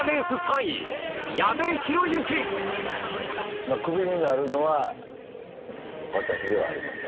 まあ、クビになるのは私ではありません。